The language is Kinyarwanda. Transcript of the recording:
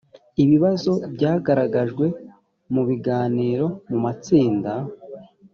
ibibazo byagaragajwe mu biganiro mu matsinda